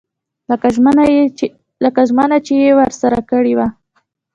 لکه ژمنه چې یې ورسره کړې وه.